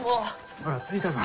ほら着いたぞ。